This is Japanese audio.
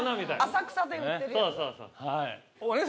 浅草で売ってるやつ。